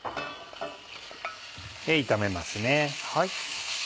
炒めますね。